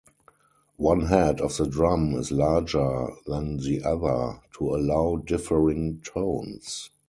One head of the drum is larger than the other to allow differing tones.